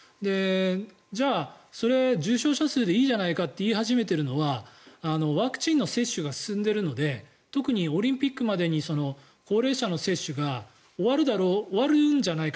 じゃあ、それ、重症者数でいいじゃないかって言い始めているのはワクチンの接種が進んでいるので特にオリンピックまでに高齢者の接種が終わるんじゃないか。